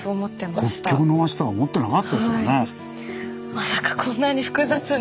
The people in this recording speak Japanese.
まさかこんなに複雑に。